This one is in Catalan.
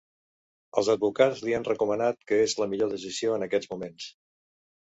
Els advocats li han recomanat que és la millor decisió en aquests moments.